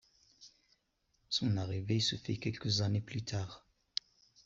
Son arrivée se fait quelques années plus tard.